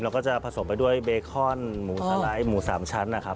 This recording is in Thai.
ก็จะผสมไปด้วยเบคอนหมูสไลด์หมู๓ชั้นนะครับ